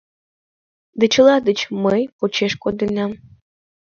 Да чыла деч мый почеш кодынам.